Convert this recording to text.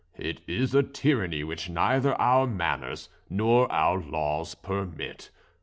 It is a tyranny which neither our manners nor our laws permit.